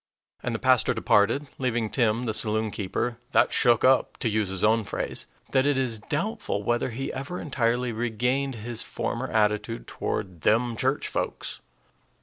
And the pastor departed, leaving Tim, the saloonkeeper, "that shook up," to use his own phrase, that it is doubtful whether he ever entirely regained his former attitude toward "them church folks."